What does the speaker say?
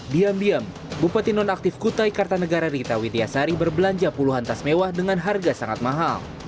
diam diam bupati nonaktif kutai kartanegara rita witiyasari berbelanja puluhan tas mewah dengan harga sangat mahal